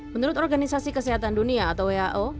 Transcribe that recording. menurut organisasi kesehatan dunia atau who